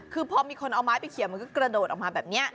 คือพอมีคนเอาไม้ไปเขียนมันก็กระโดดออกมาแบบนี้